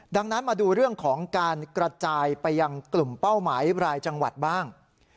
ดังนั้นมาดูเรื่องของการกระจายไปยังกลุ่มเป้าหมายรายจังหวัดบ้าง